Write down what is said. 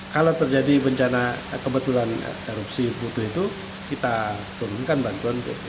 kalau terjadi kebetulan erupsi itu kita turunkan bantuan